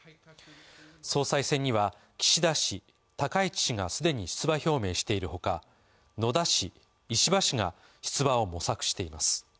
総裁選には、岸田氏、高市氏が既に出馬表明しているほか野田氏、石破氏が出馬を模索しています。